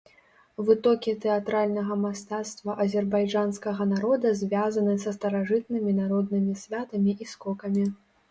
Вытокі тэатральнага мастацтва азербайджанскага народа звязаны са старажытнымі народнымі святамі і скокамі.